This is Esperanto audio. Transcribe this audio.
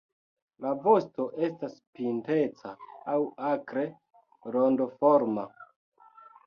La vosto estas pinteca aŭ akre rondoforma.